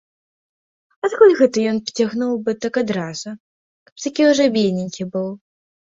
Адкуль гэта ён пацягнуў бы так адразу, каб такі ўжо бедненькі быў.